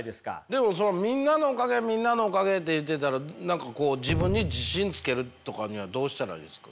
でもみんなのおかげみんなのおかげって言ってたら何かこう自分に自信つけるとかにはどうしたらいいんですか？